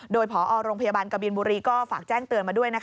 โดยพอโรงพยาบาลกบินบุรีก็ฝากแจ้งเตือนมาด้วย